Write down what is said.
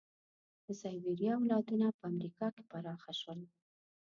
د سایبریا اولادونه په امریکا کې پراخه شول.